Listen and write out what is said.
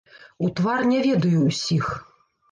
У твар не ведаю ўсіх.